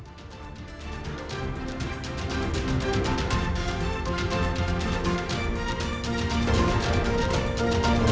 terima kasih tuhan